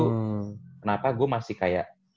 kenapa gue masih kayak